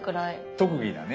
特技だね。